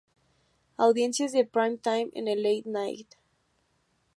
Audiencias de prime time en el late night.